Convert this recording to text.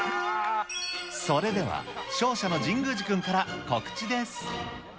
それでは、勝者の神宮寺君から告知です。